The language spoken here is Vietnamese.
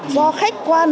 do khách quan